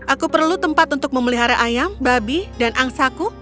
aku perlu tempat untuk memelihara ayam babi dan angsaku